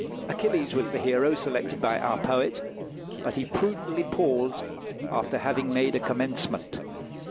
Achilles was the hero selected by our poet; but he prudently paused after having made a commencement.